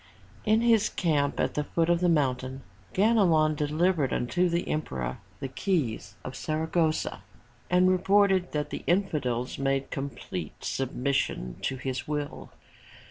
In his camp at the foot of the mountain, Ganelon delivered unto the emperor the keys of Saragossa and reported that the infidels made complete submission to his will.